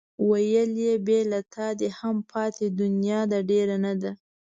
ویل یې بې له دې هم پاتې دنیا ده ډېره نه ده.